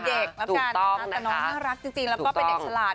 ตอกเขาน่ะค่ะน้องน้องน่ารักจริงแล้วก็เป็นเด็กชลาด